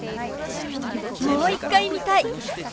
もう一回見たい！